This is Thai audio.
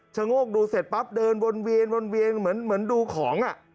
ชะโงกดูเสร็จปั๊บเดินวนเวียนเหมือนดูของ